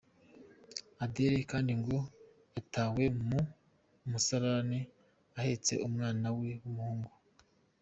Adele kandi ngo yatawe mu musarane ahetse umwana we w’umuhungu.